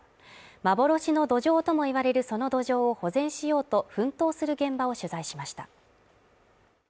幻のどじょうとも言われるそのどうじょうを保全しようと奮闘する現場を取材しました。